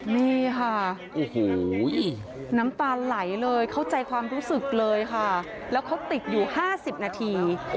นี่ค่ะโอ้โหน้ำตาไหลเลยเข้าใจความรู้สึกเลยค่ะแล้วเขาติดอยู่๕๐นาที